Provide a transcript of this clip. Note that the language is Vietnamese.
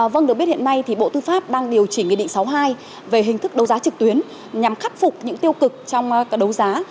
vâng được biết hiện nay thì bộ tư pháp đang điều chỉnh nghị định sáu mươi hai về hình thức đấu giá trực tuyến nhằm khắc phục những tiêu cực trong đấu giá